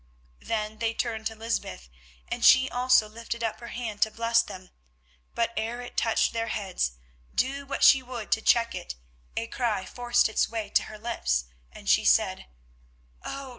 Then they turned to Lysbeth, and she also lifted up her hand to bless them, but ere it touched their heads, do what she would to check it, a cry forced its way to her lips, and she said: "Oh!